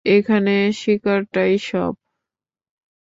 এখানে শিকারটাই সব।